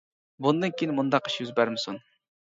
بۇندىن كېيىن مۇنداق ئىش يۈز بەرمىسۇن.